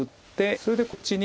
それでこっちに。